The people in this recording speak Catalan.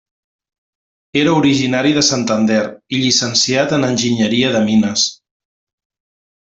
Era originari de Santander i llicenciat en enginyeria de mines.